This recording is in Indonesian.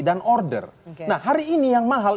dan order nah hari ini yang mahal